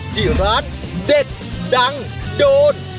ที่ร้านเด็ดดังโดน